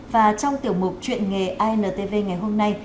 và trong tiểu mục truyền nghề antv ngày hôm nay